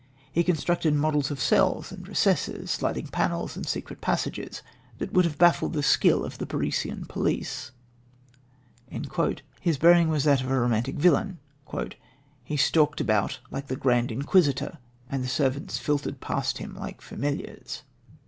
He constructed models of cells and recesses, sliding panels and secret passages, that would have baffled the skill of the Parisian police." His bearing was that of a romantic villain: "He stalked about like the grand Inquisitor, and the servants flitted past him like familiars."